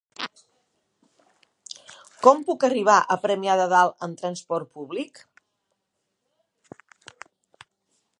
Com puc arribar a Premià de Dalt amb trasport públic?